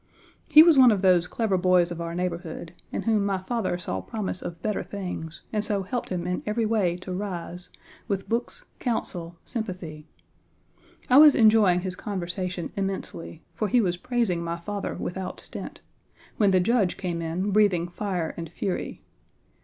He was one of those clever boys of our neighborhood, in whom my father 1 saw promise of better things, and so helped him in every way to rise, with books, counsel, sympathy. I was enjoying his conversation immensely, for he was praising my father I without stint, when the Judge came in, breathing fire and fury.